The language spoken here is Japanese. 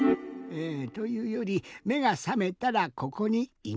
というよりめがさめたらここにいました。